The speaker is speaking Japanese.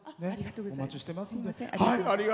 お待ちしてますんで。